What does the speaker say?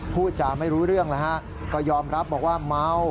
พูดจาไม่รู้เรื่องแล้วฮะก็ยอมรับบอกว่าเมา